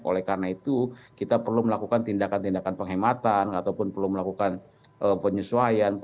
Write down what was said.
oleh karena itu kita perlu melakukan tindakan tindakan penghematan ataupun perlu melakukan penyesuaian